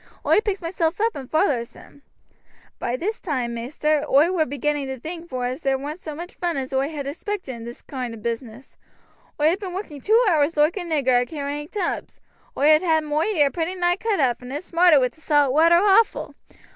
Oi picks myself up and vollers him. By this toime, maister, oi war beginning vor to think as there warn't so mooch vun as oi had expected in this koind o' business. Oi had been working two hours loike a nigger a carrying tubs. Oi had had moi ear pretty nigh cut off, and it smarted wi' the salt water awful.